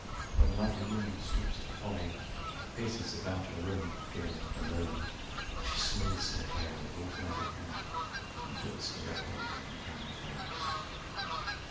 When lovely woman stoops to folly and Paces about her room again, alone, She smooths her hair with automatic hand, And puts a record on the gramophone.